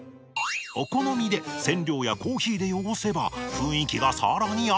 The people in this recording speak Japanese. お好みで染料やコーヒーで汚せば雰囲気がさらにアップ。